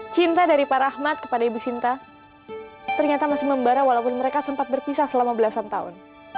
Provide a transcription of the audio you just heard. cinta dari pak rahmat kepada ibu sinta ternyata masih membara walaupun mereka sempat berpisah selama belasan tahun